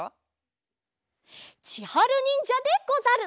ちはるにんじゃでござる。